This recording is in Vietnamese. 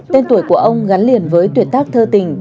tên tuổi của ông gắn liền với tuyệt tác thơ tình